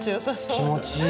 気持ちいい。